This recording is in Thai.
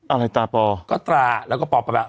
อะไรตราปอก็ตราแล้วก็ปอปลา